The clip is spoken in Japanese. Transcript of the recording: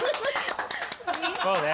そうね。